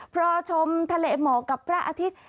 เพราะชมทะเลหมอกับพระอาทิตย์